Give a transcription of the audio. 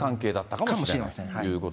かもしれいません。